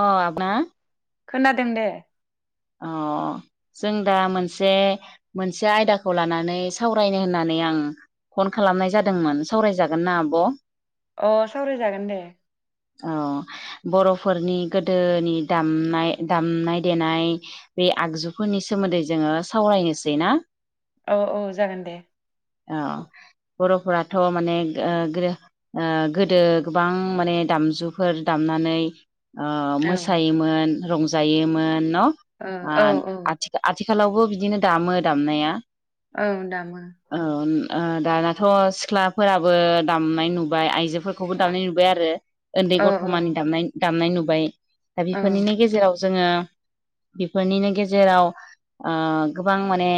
अ आबना खोनादों दे अ जों दा मोनसे मोनसे आयदाखौ लानानै सावरायनो होननानै आं फन खालामनाय जादोंमोन सावरायजागोन ना आब'? अ सावरायजागोन दे बरफोरनि गोदोनि दामनाय दामनाय देनाय बे आगजुफोरनि सोमोन्दै जोङो सावरायनोसै ना औ औ जागोन दे फोराथ' माने ओ गो ओ गोदो गोबां माने दामजुफोर दामनानै अ औ ओ मोसायोमोन रंजायोमोन न औ आन औ आथिखा आथि आथिखालावबो बिदिनो दामो दामनाया ओं दामो औ ओ दानाथ' सिख्लाफोराबो दामनाय नुबाय आइजो फोरखौबो दामनाय नुबाय आरो उन्दै औ गथमानि दामनाय दामनाय नु [unintelligible] दा औ बेफोरनिनो गेजेराव जोङो बेफोरनिनो गेजेराव ओ गोबां माने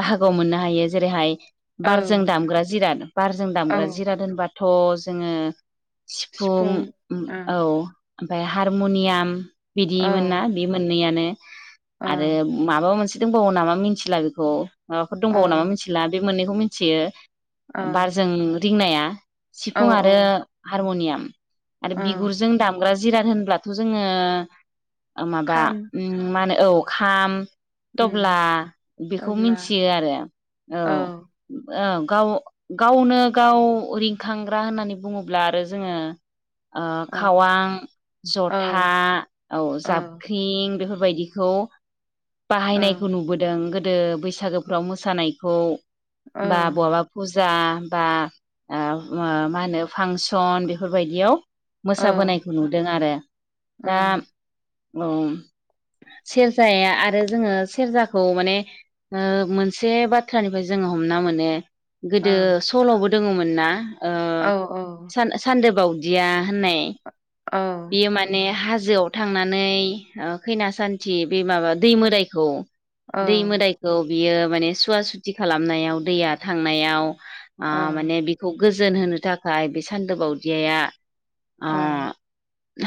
बाहागो मोननो हायो जेरैहाय औ बारजों दामग्रा जिराद बारजों औ दामग्रा जिराद होनबा थ जोङो सिफुं उम ओं औ ओमफाय हारमनियाम औ बिदिमोना बे मोननैयानो औ आरो माबा मोनस दंबावो नामा मिनथिला बेखौ माबाफोर दंबावो नामा मिथिला बे मोननै बेखौ मिथियो औ बार जों रिंनाया औ सिफुं औ आरो हारमनियाम आरो औ बिगुरजों दामग्रा जिराद होनब्लाथ जोङो ओ माबा खाम मा होनो औ खाम उम थब्ला बेखौ थब्ला मिथियोआरो औ ओं गाव गावनो गाव रिंखांग्रा होननानै बुङोब्ला आरो जोङो ओ औ खावां, औ जथा औ जाबख्रिं बेफोरबायदिखौ औ बाहायनायखौ नुबोदों गोद गोदो बैसागोफ्राव मोसानायखौ औ बा बहाबा फुज फुजा बा मा-माहोनो फांसन बेफोरबायदियाव औ औ मोसाबोनायखौ नुदों आरो दा औ सेरजाया आरो जोङो सेरजाखौ माने ओ मोनसे बाथ्रानिफ्राय जोङो हमना मोनो गोदो सलाबोद दोङोमोन ना ओ सान-सानदोब बावदिया होननाय बेयो माने हाज जोआव थांनानै ओ खैना सान्थि बे माबा दै मोदाइखौ दै मोदायखौ बियो माने सुवा सुथि खालामनायाव दैया थांनायाव आ माने बिखौ गोजोन होनो थाखाय बे सान्दोबावदियाया ओ औ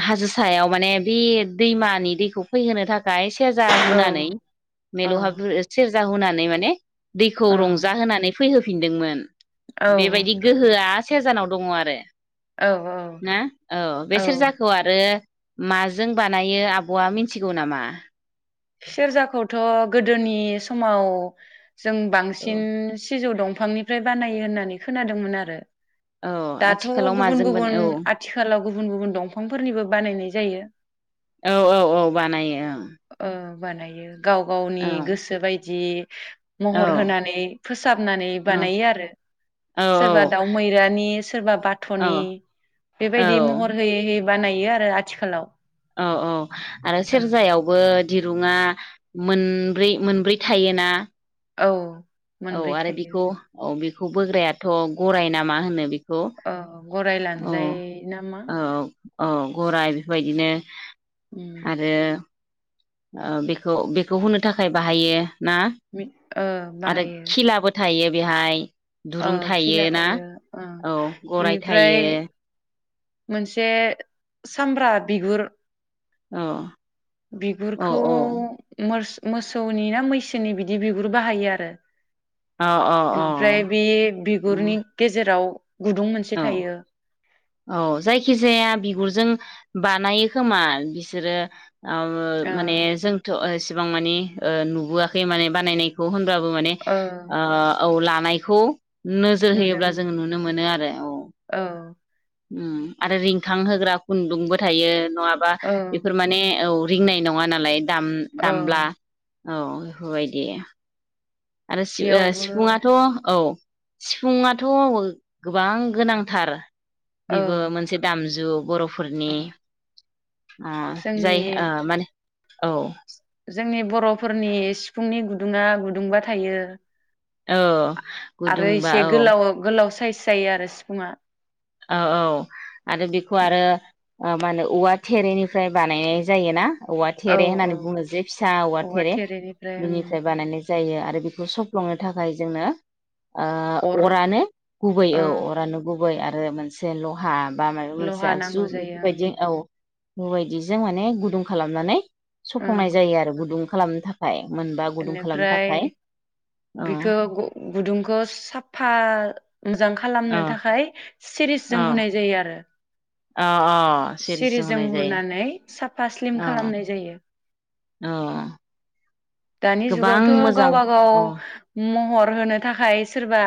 हाजो सायाव माने बि दैमानि दैखौ फैहोनो थाख [unintelligible] सेर जा हुनानै मेलौ हाब सेर [unintelligible] जा हुनानै माने दैखौ औ रंजाहोनानै फैहोफिनदोंमोन औ औ बेबायदि गोहोआ सेरजानाव दङ आरो औ ना औ बे औ सेरजाखौ आरो ओ माजों बानायो आबआ मिन्थिगौ नामा। सेरजाखौ थ गोदोनि समाव जों बांसिन औ सिजौ दंफांनिफ्राय बानायो होननानै खोनादोंमोन आरो। दाथ आथिखालाव माजों बानाय गुबुन-गुबुन औ आथिखालाव गुबु गुबुन-गुबुन दंफांफोरनिबो बानायनाय जायो। औ औ औ बानायो ओं ओ बानायो औ गाव-गावनि गोसो बाय दि औ महर होनानै फोसाबनानै औ बानायो आरो औ सोरबा दाउ मैरानि सोरबा औ बाथनि औ बेबायदि महर होयै-होयै बानायो आरो आथिखालाव। औ औ आरो सेरजायावबो दिरुङा मोनब्रै-मोनब्रै थायोना औ मोनब्रै औ आरो थायो बेखौ औ बे खौ बोग्रायाथ गराय नामा होनो बे औ गराय लानजाय नामा। ओ गराय बेफोरबायदिनो उम आरो ओ बेखौ-बेखौ हुनो थाखाय बाहायो ना मि ओ आरो बाहायो खिलाबो थायो। बेहाय ओ दुरुं थायो खिला ना ओ औ गराय बिनिफ्राय थायो मोनसे सामब्रा बिगुर औ औ बिगुरखौ मुरस मोसौनि ना मैसोनि बिदि बिगुर बाहायो आरो। औ ओमफ्राय बे बिगुरनि गेजेराव गुदुं मोनसे औ थायो। औ जायखि जाया बिगुरजों बानायो खोमा बिसोरो अम ओ माने जोंथ बेसेबां माने ओ नुबोआखै माने बानायनायखौ बाबो माने ओ औ लाम माइखौ नोजोर नुदों होयोब्ला जों नुनो मोनो आरो औ ओं आरो रिंखां होग्रा खुन्दुंबो थायो नङाबा औ बेफोर माने औ रिंनाय नङा नालाय औ दाम-दामब्ला औ बेफोरबायदि आरो सिउ ओ बेयावबो सिफुङाथ' औ सिफुङाथ गोबां गोनांथार औ बेबो मोनसे दामजु बर' फोरनि औ। ओ जोंनि जाय ओ माने औ जोंनि बरफोरनि सिफुंनि गुदुङा गुदुंबा थायो औ आरो गुदुंबा एसे औ गोलाव गोलाव साइस जायो आरो सिफुङा औ औ आरो बेखौ आरो औ मा होनो औवा थेरेनिफ्राय बानायनाय जायोना औवा थेरे औ होननानै बुङो जे फिसा औवा थेरे थेरेनिफ्राय ओं बेनिफ्राय बानायनाय जायो आरो बेखौ सफ्लंनो थाखाय जोंनो अर ओ अरानो गुबै ओ औ अरानो गु बै आ रो मोनसे लहा बा माबा मोनसे लहा आगजु नांगौ जायो बेफोरबायदि ओं औ बायदिजों माने गुदुं खालामनानै ओं सफंनाय जायो आरो गुदुं खालामनो थाखाय। मोनबा गुदुं खालामनो बेनिफ्राय थाखाय औ बेखौ गुदुंखौ साफा जां औ खालामनो थाखाय सिरिस जों औ हुनाय जायो आरो। अ अ सिरिसजों हुनाय जायो। फा स्लिम औ खालामनाय जायो। औ। दानि गोबां जुगावथ मोजां गावबा गाव अ ओ म हर होनो थाखाय सोरबा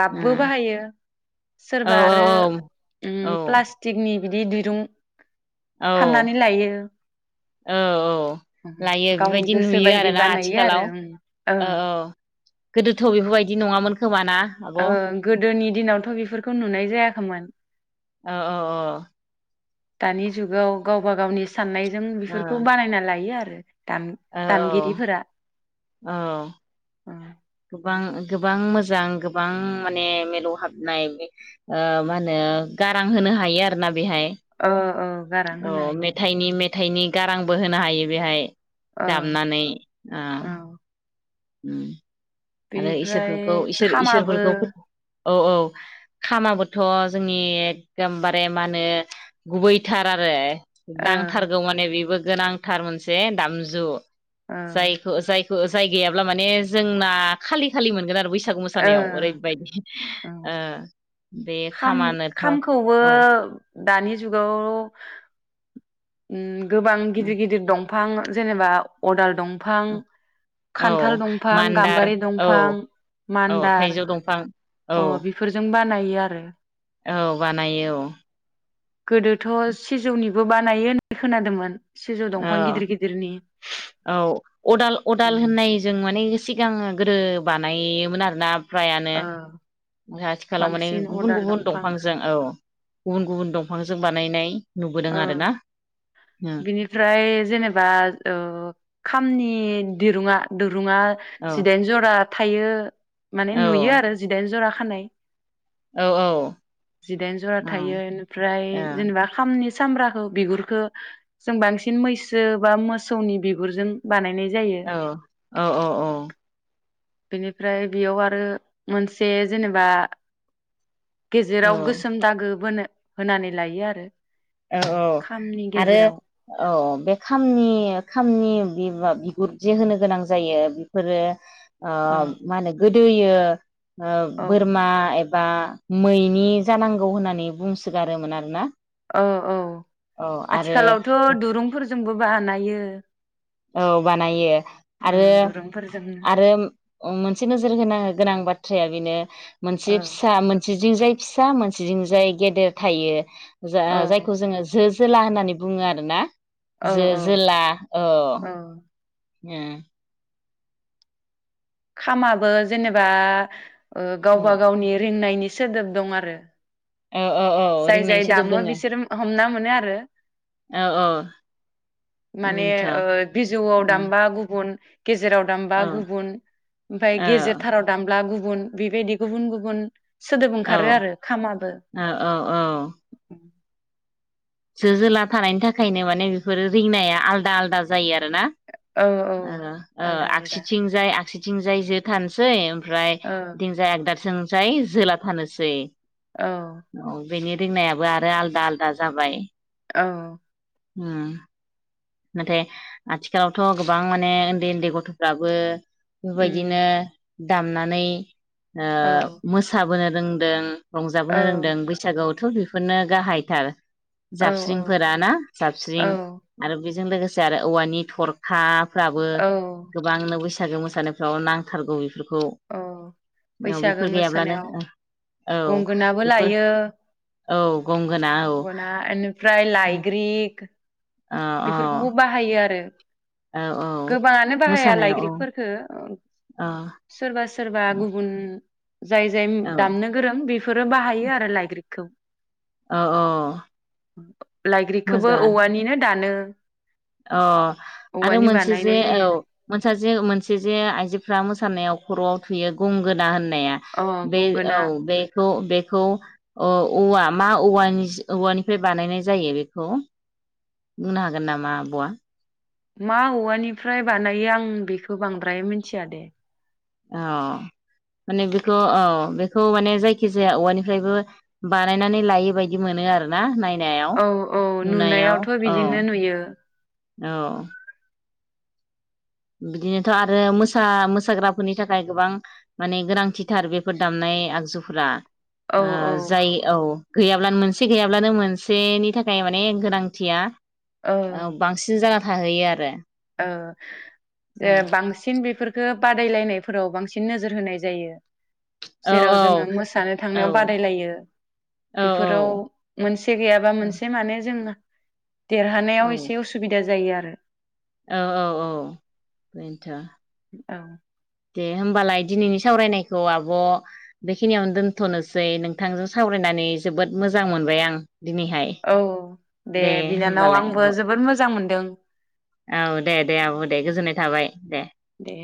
गाब्बो बाहायो। औ सोरबा आरो औ उम औ प्लास्टिकनि बिदि दिरुं औ फाननानै लायो औ औ लायो गावनि बेबायदि गोसो नुयो बायदि आरोना बानायो आथिखालाव आरो ओं औ औ ओं गोदोथ बेफोरबायदि नङामोन खो खोमा ना? आब' औ ओ गोदोनि दिनावथ बेफोरखौ नुनाय जायाखैमोन। औ दानि जुगाव गावबा गावनि सान्नायजों औ बेफोरखौ बानायना लायो आरो। औ दाम-दामगिरिफोरा। औ। उम। गोबां गोबां मोजां गोबां माने मेलौ हाबनाय ओ माहोनो गारां होनो हायो आरोना बेहाय। ओ। अ मेथाइनि मे थाइनि गारांबो होनो हायो बेहाय। औ दामनानै। औ [inaudible] आरो बेनिफ्राय इसोरफोरखौ इसोर खामाबो इसोरफोरखौ औ औ खामाबोथ जोंनि एकदमबारे मा होनो गुबैथार आरो। ओ नांथारगौ माने बेबो गोनांथार मोनसे दामजु। ओ जायखो जाय ओ जाय गैयाब्ला माने जोंना खालि खालि मोनगोन आरो बैस सागु ओ मोसानायाव ओरैबायदि औ ओ। बे खाम खामानोथ' खामखौबो औ दानि जुगाव उम गोबां गिदिर-गिदिर दं बिफां जेनेबा अदाल दं फां औ खान्थाल दंफां, मान्दार गामबारि औ दंफां, औ मान्दार थाइजौ दंफां औ अ बिफोरजों बा नायो आरो औ बानायो औ, गोदोथ' सिजौनिबो बानायो होननानै खोनादोंमोन। सिजौ दंफां औ, गिदिर गिदिरनि औ अदाल -अदाल उम होननाय जों माने सिगां गोदो बानायोमोन आरोना फ्रायानो ओ ओ आथिखालाव माने बांसिन अदाल गुबुन-गुबुन दंफां दंफांजों औ गुबुन-गुबुन दंफांजों बा बानायनाय नुबोदों ओ आरो ना बिनिफ्राय जेनेबा ओ खामनि दिरुङा दिरुङा औ जिदाइन जरा थायो। माने औ नुयो आरो जिदाइन जरा खानाय औ जिदाइन जरा औ थायो एनेफ्राय जेनेबा खामनि सामब्राखो बिुरखो जों बांसिन मैसो बा मोसौनि बिगुरजों बानायनाय जायो ओ औ-औ-औ बेनिफ्राय बेयाव आरो मोनसे जेनेबा औ गेजेराव औ गोसोम दागो बोनो होनानै लायो आरो औ-औ खामनि आरो गेजेराव औ बे खामनि- खामनि बिब- बिगुर जे होनो गोनां जायो बेफोरो ओ अ मा होनो गोद दोयो ओ औ बोरमा एब बा मैनि जानांगौ होननानै बुंसोगारोमोन आरोना ओ, औ औ आरो आथिखालावथ' दुरुंफोरजों जोंबो बानायो औ बानायो ओ आरो दुरुंफोरजोंनो -आरो ओम मोनसे नोजोर होनो गोनां बाथ बाथ्राया बिनो। औ मोनसे फिसा मोनसे। जिंजाय फिसा मोनसे जिंजाय गेदेर थायो। जा औ जायखौ जोङो जोज। जोला होननानै बुङो आरो ना। औ जो औ जोला औ। औ ऐ। खामाबो जेनेबा। ओ गावबा औ गावनि रिंनायनि। सोदोब दं आरो। औ औ औ जाय रिंनायनि जाय सोदोब दामो दोङो बिसोर ओम हमना। मोनो आरो। औ औ माने बेनोथ' ओ बिजौआव उम दामबा गुबुन। गेजेराव दामबा औ गुबुन ओमफाय गेजेरथाराव दामब्ला गुब गुबुन बेबायदि गुबुन गुबुन। सोदोब ओंखारो औ आरो खामाबो। औ औ औ। जो जोला थानायनि थाखायनो माने बेफोर रिंनाया आलदा- आलदा जायो आरो। ना औ औ ओ-ओ आलदा आलदा आगसिथिं जाय आगसि थिं जाय जो थानोसै ओमफ ओमफ्राय औ दिंजाय आगदाजों जाय जोला फानोसै। औ। बेनि रिंनायाबो आरो आलदा-आलदा जाबाय। औ। होम। नाथाय आथिखालावथ गोबां माने ओन्दै-ओन्दै गथफ्राबो। उम बेबायदिनो। दामनानै। ओ औ मोसाबोनो रोंदों। औ रंजाबोनो रोंदों बैसागुआव थौ बेफोरनो गाहायथार। औ जाबस्रिंफोरा ना औ जाबस्रिं। बेजों लोगोसे आरो औवानि थरखा फोराबो औ गोबांनो बैसागो मोसानायफ्राव नांथारगौ बेफोरखौ। ओ औ बैसागो बेफोर गैयाब्लानो मोसानायाव औ गंगोनाबो बेफोर लायो। औ गंगोना औ गना ओनोफ्राय लायग्रिक। औ औ बेफोरखौबो बाहायो आरो। औ औ गोबाङानो बाहाया मोसानायाव औ लायग्रिफोरखो। औ सोरबा सोरबा गुबुन। [inaudible] जाय जाय उम औ दामनो गोरों बेफोरो बाहायो आरो लाायग्रिकखौ औ लाइग्रिकखोबो मोजां औवानिनो। [unintelligible] अ आरो औवानि मोनसे जे बानायनाय औ जायो मोनसा जे मोनसे जे आइजोफ्रा मोसाय खानायाव खरआव थुयो गंगोना होन अ [unintelligible] बे गंगोना औ बे। बेखौ बेखौ ओ औवा मा औवा मा औवानिफ्राय बानायनाय जायो बेखौ बुंनो हागोन नामा आब' आ मा औवानिफ्राय बानायो आं बेखौ बांद्राय मिथिया दे। अ माने बेखौ अ बेखौ माने जायखिजाया औवानिफ्रायबो बानायनानै लायो बायदि मोनो आरोना नाय औ औ नुनायावथ औ बिदिनो नुयो औ बिदिनोथ आरो मोसा मोसाग्राफोरनि थाखाय गोबां माने गोनांथिथार बेफोर दामनाय आगजुफोरा। औ ओ औ जाय औ गैयाब्लानो मोनसे गैयाब्लानो मोनसेनि थाखाय माने गोनांथिया औ बांसिन जाना थाहैयो आरो। ओ जे बांसिन बेफोरफोरखो बादायलायनायफोराव बांसिन नोजोर होनाय जायो। औ जेराव जोङो मोसानो औ थांनायाव बादायलायो औ बेफोराव मोनसे गैयाबा मोनसे माने जों देरहानायाव औ एसे उसुबिदा जायो आरो। [inaudible] औ औ औ बेनोथ' औ दे होमबालाय दिनैनि सावरायनायखौ आब बेखिनियावनो दोनथनोसै नोंथांजों सावरायनानै, जोबोद मोजां मोनबाय आं। दिनैहाय औ दे बिनानाव होमब्लालाय आंबो आब' जोबोद मोजां मोनदों। [inaudible] औ दे दे आब दे गोजोननाय थाबाय दे। दे